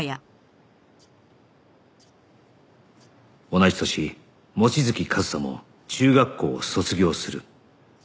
同じ年望月和沙も中学校を卒業する